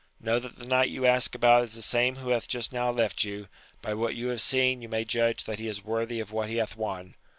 Know that the knight you ask about is the same who hath just now left you : by what you have seen you may judge that he is worthy of what he hath won.